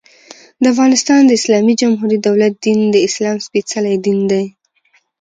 د افغانستان د اسلامي جمهوري دولت دين، د اسلام سپيڅلی دين دى.